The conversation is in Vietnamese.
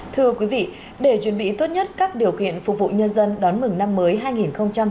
thưa quý vị để chuẩn bị tốt nhất các điều kiện phục vụ nhân dân đón mừng năm mới hai nghìn hai mươi